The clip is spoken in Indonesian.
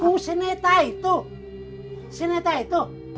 oh si neta itu si neta itu